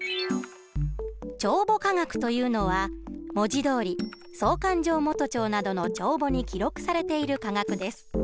帳簿価額というのは文字どおり総勘定元帳などの帳簿に記録されている価額です。